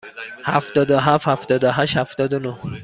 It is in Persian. هفتاد و هفت، هفتاد و هشت، هفتاد و نه.